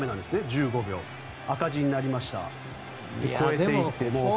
１５秒、赤字になりました。